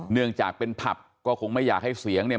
เนื่องจากเป็นผับก็คงไม่อยากให้เสียงเนี่ย